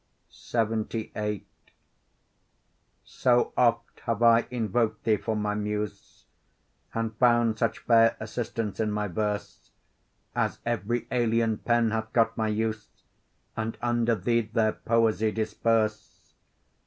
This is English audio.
LXXVIII So oft have I invoked thee for my Muse, And found such fair assistance in my verse As every alien pen hath got my use And under thee their poesy disperse.